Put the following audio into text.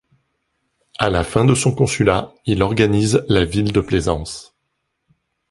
À la fin de son consulat, il organise la ville de Plaisance.